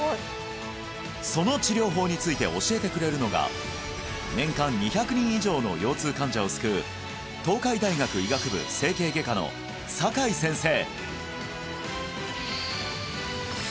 その治療法について教えてくれるのが年間２００人以上の腰痛患者を救う東海大学医学部整形外科の酒井先生